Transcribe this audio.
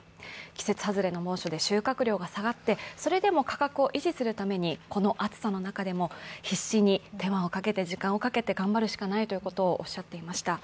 季節外れの猛暑で収穫量が下がってそれでも価格を維持するためにこの暑さの中でも必死に手間をかけて、時間をかけて頑張るしかないとおっしゃっていました。